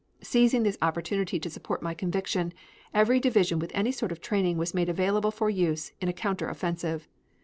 Seizing this opportunity to support my conviction, every division with any sort of training was made available for use in a counter offensive.